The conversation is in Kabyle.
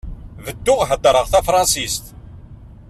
Bedduɣ ḥefḍeɣ tafṛansist.